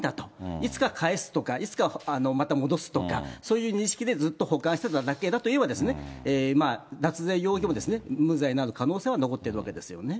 いつか返すとか、いつかまた戻すとか、そういう認識でずっと保管してただけだと言えば、脱税容疑も無罪になる可能性は残っているわけですよね。